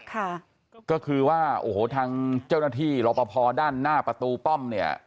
ค่ะก็คือว่าโอ้โหทางเจ้าหน้าที่รอปภด้านหน้าประตูป้อมเนี่ย